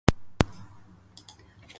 Atskurbtuve dzērājam, ledains miteklis.